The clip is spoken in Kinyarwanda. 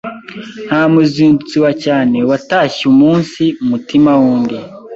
nta muzindutsi wa cyane watashye umunsi mutima w’undi